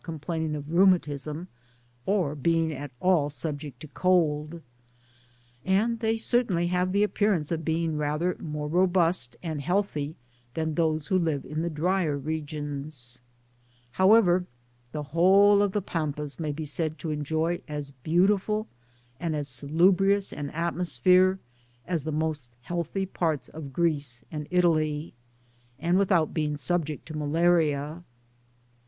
9 complaining of rheumatism, or being at all 'subject to cold ; and they certainly have the appearance of being rather more robust and healthy than those who live in the drier regions. However, the whole of the Pampas may be said to enjoy as beautiful and as salubrious an atmosphere as the most healthy parts of Greece and Italy, and without being subject to malaria.